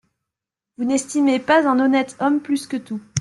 Vous n’estimez pas un honnête homme plus que tout.